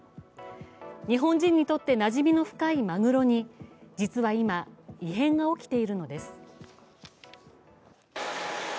日本人にとってなじみの深いまぐろに実は今、異変が起きているのです。